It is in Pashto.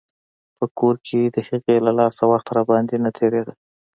په کور کښې د هغې له لاسه وخت راباندې نه تېرېده.